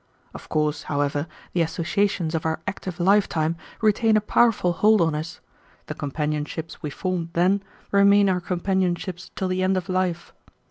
Of course, however, the associations of our active lifetime retain a powerful hold on us. The companionships we formed then remain our companionships till the end of life.